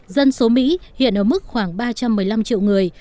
dân số mỹ hiện ở mức khoảng ba trăm một mươi năm triệu người